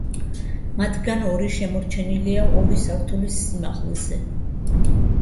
მათგან ორი შემორჩენილია ორი სართულის სიმაღლეზე.